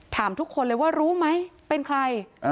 ถามทุกคนเลยว่ารู้ไหมเป็นใคร